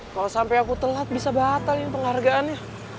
kalo sampe aku telat bisa batal ya penghargaannya